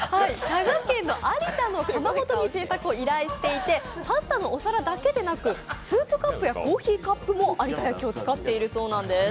佐賀県の有田の窯元に製作を依頼していて、パスタのお皿だけでなくスープカップやコーヒーカップも有田焼を使っているそうなんです。